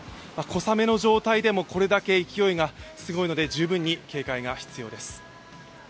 小雨の状態でもこれだけ勢いがすごいので、十分に警戒が必要です。